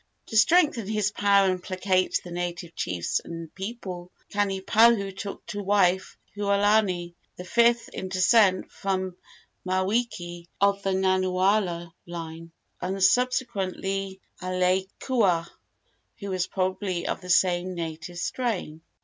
To strengthen his power and placate the native chiefs and people, Kanipahu took to wife Hualani, the fifth in descent from Maweke, of the Nanaula line, and subsequently Alaikaua, who was probably of the same native strain.